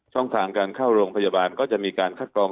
ช่องทางการเข้าโรงพยาบาลก็จะมีการคัดกรอง